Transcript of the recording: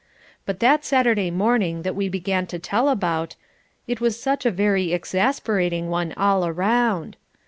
But that Saturday morning that we began to tell about, it was such a very exasperating one all around.